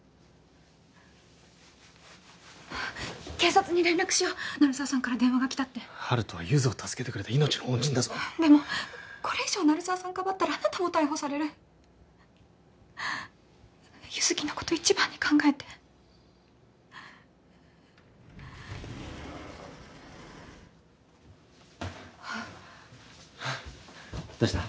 警察に連絡しよう鳴沢さんから電話がきたって温人はゆづを助けてくれた命の恩人だぞでもこれ以上鳴沢さんかばったらあなたも逮捕される優月のこと一番に考えてあっどうした？